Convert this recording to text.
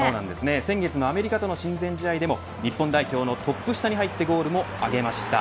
先月のアメリカとの親善試合でも日本代表のトップ下に入ってゴールまでいきました。